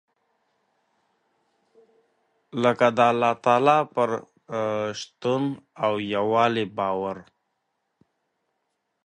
لکه د الله تعالٰی پر شتون او يووالي باور .